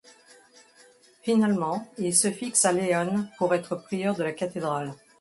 Finalement, il se fixe à León pour être prieur de la cathédrale.